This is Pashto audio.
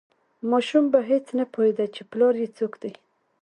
ماشوم په هیڅ نه پوهیده چې پلار یې څوک دی.